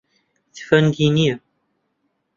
تفەنگی نییە.